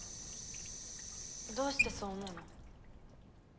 どうしてそう思うの？